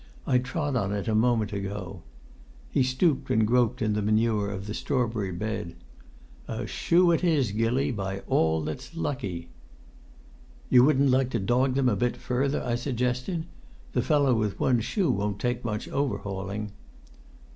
I trod on it a moment ago." He stooped and groped in the manure of the strawberry bed. "A shoe it is, Gilly, by all that's lucky!" "You wouldn't like to dog them a bit further?" I suggested. "The fellow with one shoe won't take much overhauling?"